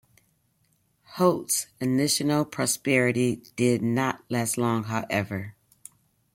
Eholt's initial proseperity did not last long however.